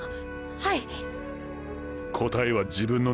はい！！